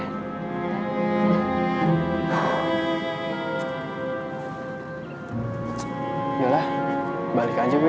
makin dilarang tuh dia bergaul sama gue